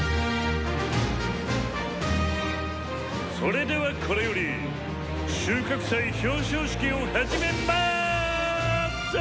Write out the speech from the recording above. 「それではこれより収穫祭表彰式を始めます！」。